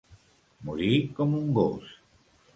Morir com un gos.